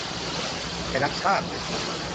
ไม่รักชาติเลย